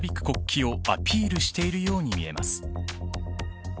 国旗をアピールしているように見えます。